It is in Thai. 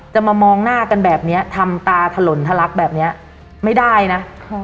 จะมามองหน้ากันแบบนี้ทำตาถล่นทะลักแบบนี้ไม่ได้นะ